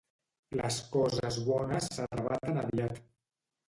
Les coses bones s'arravaten aviat.